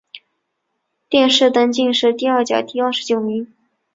殿试登进士第二甲第二十九名。